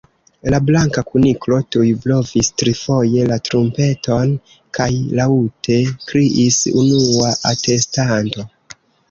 La Blanka Kuniklo tuj blovis trifoje la trumpeton, kaj laŭte kriis:"Unua atestanto!"